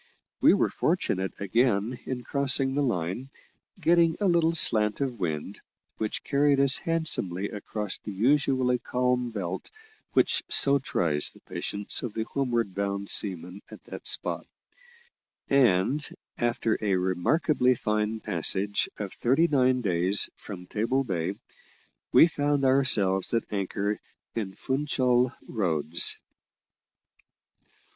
We were fortunate again in crossing the line, getting a little slant of wind, which carried us handsomely across the usually calm belt which so tries the patience of the homeward bound seaman at that spot; and after a remarkably fine passage of thirty nine days from Table Bay, we found ourselves at anchor in Funchal Roads.